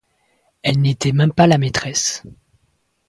Elle n'était même pas la maîtresse.